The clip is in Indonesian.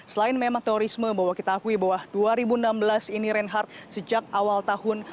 selain memang turisme bahwa kita akui bahwa dua ribu enam belas ini reinhardt sejak awal tahun